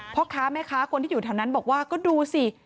พ่อค้าแม่ค้าคนที่อยู่แถวนั้นบอกว่าก็ดูสิ